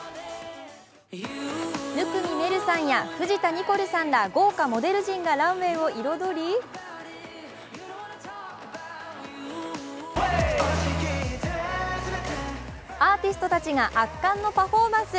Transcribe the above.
生見愛瑠さんや藤田ニコルさんら豪華モデル陣がランウエーを彩りアーティストたちが圧巻のパフォーマンス。